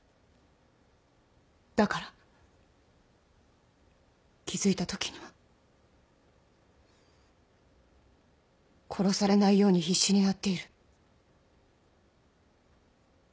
だから気付いたときには殺されないように必死になっている。